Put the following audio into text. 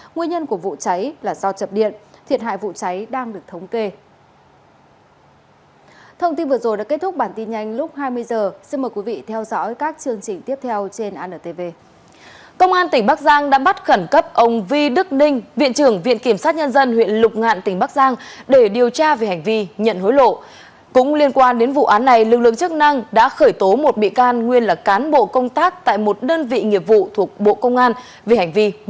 nguyên nhân của vụ cháy là do chập điện thiệt hại vụ cháy đang được thống kê